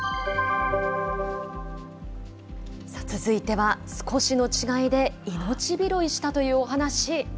続いては、少しの違いで命拾いしたというお話。